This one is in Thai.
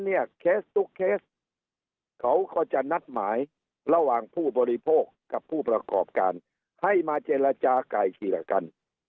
เนี่ยเคสตุ๊กเคสเขาก็จะนัดหมายระหว่างผู้บริโภคกับผู้ประกอบการให้มาเจรจาไกลทีละกัน